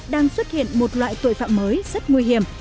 đang xuất hiện một loại tội phạm mới rất nguy hiểm